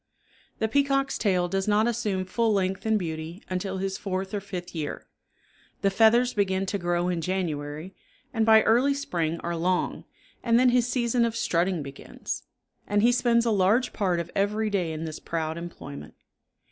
The peacock's tail does not assume full length and beauty until his fourth or fifth year. The feathers begin to grow in January, and by early spring are long, and then his season of strutting begins; and he spends a large part of every day in this proud employment.